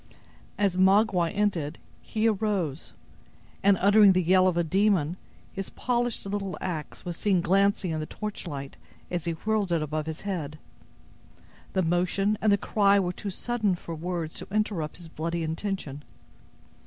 As Magua ended he arose and, uttering the yell of a demon, his polished little axe was seen glancing in the torchlight as he whirled it above his head. The motion and the cry were too sudden for words to interrupt his bloody intention.